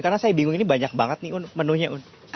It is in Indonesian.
karena saya bingung ini banyak banget nih un menunya un